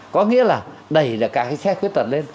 có nghĩa là đẩy cả cái xe khuyết tật lên